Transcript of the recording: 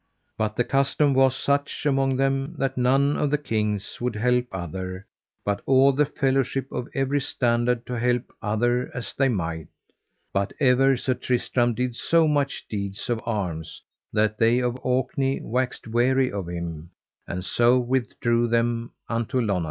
But the custom was such among them that none of the kings would help other, but all the fellowship of every standard to help other as they might; but ever Sir Tristram did so much deeds of arms that they of Orkney waxed weary of him, and so withdrew them unto Lonazep.